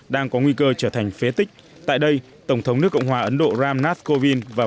đang có nguy cơ trở thành phế tích tại đây tổng thống nước cộng hòa ấn độ ram nath kovind và